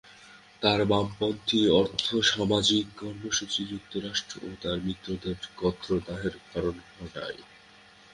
তাঁর বামপন্থী আর্থসামাজিক কর্মসূচি যুক্তরাষ্ট্র ও তার মিত্রদের গাত্রদাহের কারণ ঘটায়।